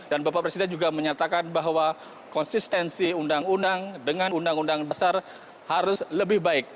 dan bapak presiden juga menyatakan bahwa konsistensi undang undang dengan undang undang besar harus lebih baik